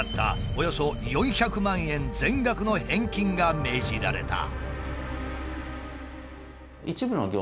およそ４００万円全額の返金が命じられた。